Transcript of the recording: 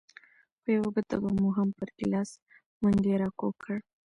په یوه ګوته به مو هم پر ګیلاس منګی راکوږ کړ.